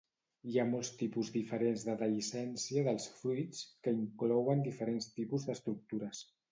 Hi ha molts tipus diferents de dehiscència dels fruits, que inclouen diferents tipus d'estructures.